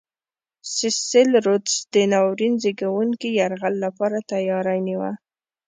سیسل رودز د ناورین زېږوونکي یرغل لپاره تیاری نیوه.